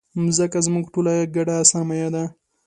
مځکه زموږ ټولو ګډه سرمایه ده.